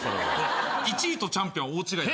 １位とチャンピオンは大違いだから。